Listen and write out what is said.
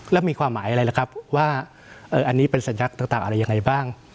แล้วมีความหมายอะไรล่ะครับว่าอันนี้เป็นสัญลักษณ์ต่างอะไรยังไงบ้าง